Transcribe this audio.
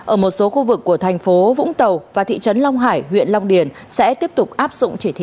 ở một số khu vực của thành phố vũng tàu và thị trấn long hải huyện long điền sẽ tiếp tục áp dụng chỉ thị một mươi sáu